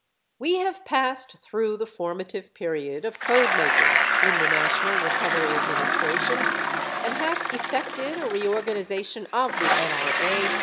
We have passed through the formative period of code making in the National Recovery Administration and have effected a reorganization of the N.R.A.